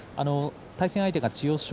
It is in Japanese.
対戦相手が千代翔